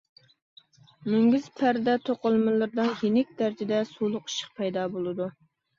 مۈڭگۈز پەردە توقۇلمىلىرىدا يېنىك دەرىجىدە سۇلۇق ئىششىق پەيدا بولىدۇ.